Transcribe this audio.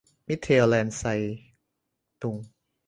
มิตเทลเลนไซตุง